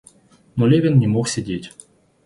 Но Левин не мог сидеть.